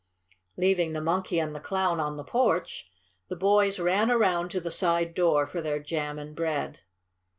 Leaving the Monkey and the Clown on the porch, the boys ran around to the side door for their jam and bread.